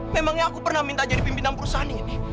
memangnya aku pernah minta jadi pimpinan perusahaan ini